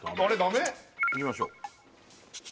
いきましょう